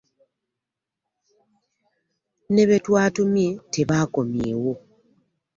Ne be twatumye tebaakomyewo.